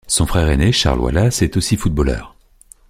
Son frère aîné Charles Wallace est aussi footballeur.